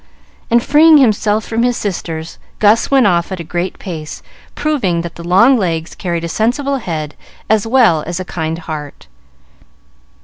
And, freeing himself from his sisters, Gus went off at a great pace, proving that the long legs carried a sensible head as well as a kind heart.